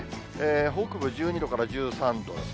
北部１２度から１３度ですね。